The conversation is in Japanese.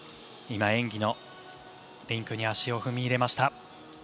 今、演技のリンクに足を踏み入れました。